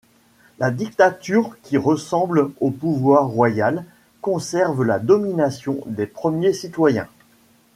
La dictature qui ressemble au pouvoir royal, conserve la domination des premiers citoyens.